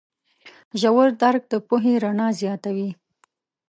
ژور درک د پوهې رڼا زیاتوي.